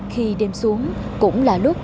khi đêm xuống cũng là lúc